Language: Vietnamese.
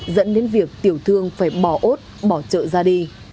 dẫn đến việc tiểu thương phải bỏ ốt bỏ chợ ra đi